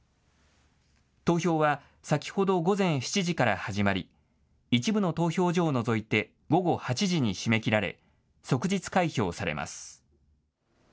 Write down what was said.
投票は先ほど午前７時から始まり、一部の投票所を除いて、午後８時に締め切られ、即日開票されます。